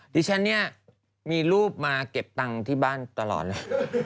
ดิฉันเนี่ยมีรูปมาเก็บตังค์ที่บ้านตลอดเลย